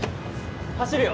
走るよ。